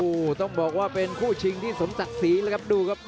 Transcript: โอ้โหต้องบอกว่าเป็นคู่ชิงที่สมศักดิ์ศรีแล้วครับดูครับ